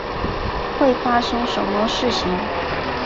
会发生什么事情？